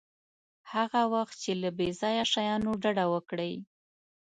هغه وخت چې له بې ځایه شیانو ډډه وکړئ.